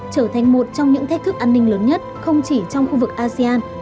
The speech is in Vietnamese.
trở thành một trong những thách thức an ninh lớn nhất không chỉ trong khu vực asean